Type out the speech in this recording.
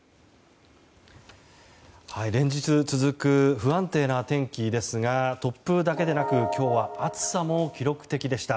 連日続く不安定な天気ですが突風だけでなく今日は暑さも記録的でした。